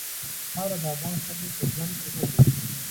خاوره د افغان ښځو په ژوند کې رول لري.